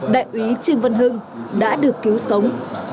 đại úy trương vân hưng đã được cứu sống